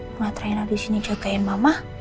lihat rena disini jagain mama